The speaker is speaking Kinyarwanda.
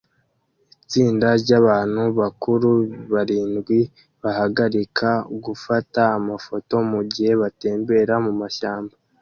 Itsinda ryabantu bakuru barindwi bahagarika gufata amafoto mugihe batembera mumashyamba